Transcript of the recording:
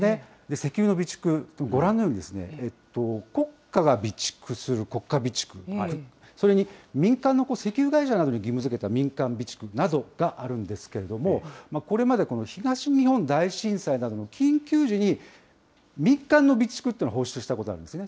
石油の備蓄、ご覧のように、国家が備蓄する国家備蓄、それに民間の石油会社などに義務づけた民間備蓄などがあるんですけれども、これまで、この東日本大震災などの緊急時に、民間の備蓄というのは放出したことあるんですね。